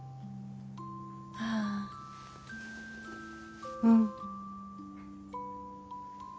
ああうん。